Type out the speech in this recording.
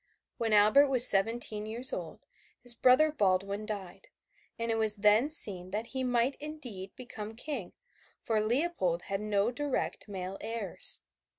When Albert was seventeen years old, his brother Baldwin died, and it was then seen that he might indeed become King, for Leopold had no direct male heirs.